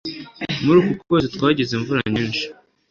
muri uku kwezi twagize imvura nyinshi